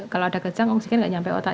kalau ada kejang oksigen nggak nyampe otak